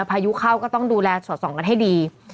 พายุเข้าก็ต้องดูแลสอดส่องกันให้ดี